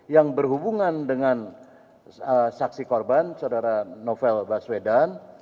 yang berhubungan dengan saksi korban saudara novel baswedan